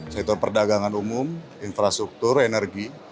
sektor perdagangan umum infrastruktur energi